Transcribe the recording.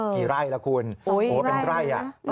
กี่ไร่ล่ะคุณโอ้โหเป็นไร่